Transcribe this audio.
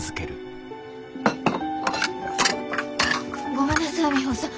ごめんなさいミホさん。